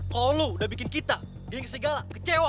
kalo lo udah bikin kita geng segala kecewa